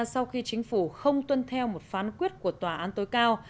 sau khi chính phủ không tuân theo một phán quyết của tòa án tối cao